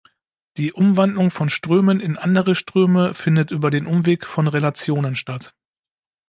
Die Umwandlung von Strömen in andere Ströme findet über den Umweg von Relationen statt.